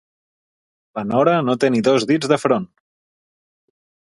La Nora no té ni dos dits de front.